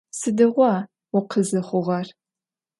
Сыдигъуа укъызыхъугъэр?